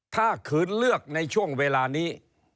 ถ้าขืนเลือกในช่วงเวลานี้